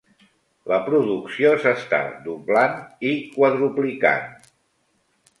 La producció s'està doblant i quadruplicant.